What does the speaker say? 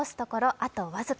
あと僅か。